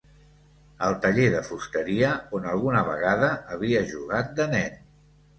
El taller de fusteria on alguna vegada havia jugat de nen.